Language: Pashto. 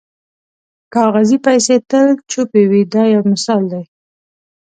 کاغذي پیسې تل چوپې وي دا یو مثال دی.